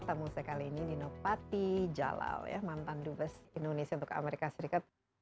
temu saya kali ini dino patijalal mantan duvet indonesia untuk amerika serikat